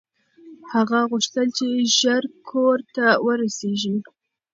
هغه غوښتل چې ژر کور ته ورسېږي.